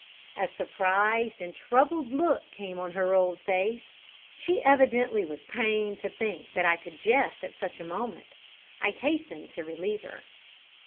A surprised and troubled look came on her old face. She evidently was pained to think that I could jest at such a moment. I hastened to relieve her.